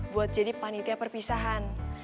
buat jadi panitia perpisahan